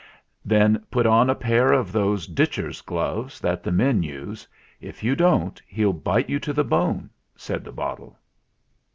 "Then put on a pair of those ditcher's gloves that the men use. If you don't, he'll bite you to the bone," said the bottle.